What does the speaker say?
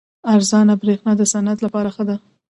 ارزانه بریښنا د صنعت لپاره ښه ده.